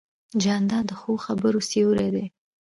جانداد د ښو خبرو سیوری دی.